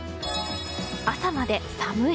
朝まで寒い。